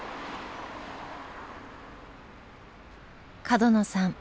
角野さん